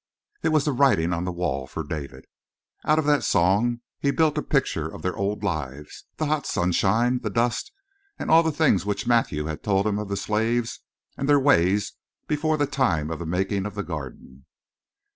It was the writing on the wall for David. Out of that song he built a picture of their old lives, the hot sunshine, the dust, and all the things which Matthew had told him of the slaves and their ways before the time of the making of the Garden.